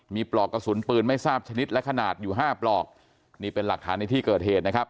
มีปลอกกระสุนปืนไม่ทราบชนิดและขนาดอยู่ห้าปลอกนี่เป็นหลักฐานในที่เกิดเหตุนะครับ